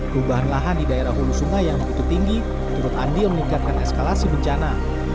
perubahan lahan di daerah hulu sungai yang begitu tinggi menurut andi meningkatkan eskalasi bencana